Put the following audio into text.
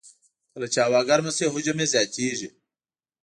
کله چې هوا ګرمه شي، حجم یې زیاتېږي.